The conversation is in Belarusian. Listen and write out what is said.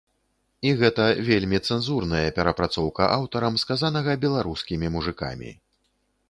І гэта вельмі цэнзурная перапрацоўка аўтарам сказанага беларускімі мужыкамі.